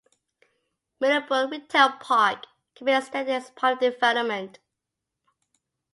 Middlebrook Retail Park could be extended as part of the development.